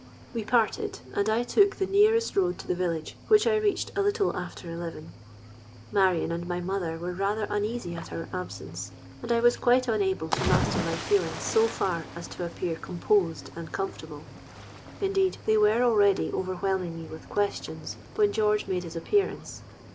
We parted, and I took the nearest road to the village, which I reached a little after eleven. Marion and my mother were rather uneasy at our absence; and I was quite unable to master my feelings so far as to appear composed and comfortable. Indeed, they were already overwhelming me with questions, when George made his appearance.